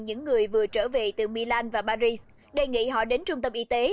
những người vừa trở về từ milan và paris đề nghị họ đến trung tâm y tế